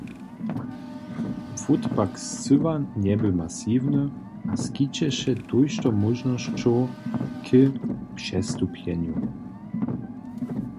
Płót pak scyła njebě masiwny a skićeše tójšto móžnosćow k přestupjenju.